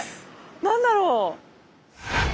何だろう？